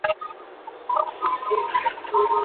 আমি সবকিছু ভুলে যাই।